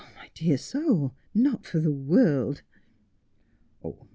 ' My dear soul, not for the world.'